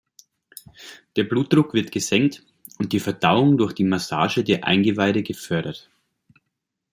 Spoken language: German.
Der Blutdruck wird gesenkt und die Verdauung durch die Massage der Eingeweide gefördert.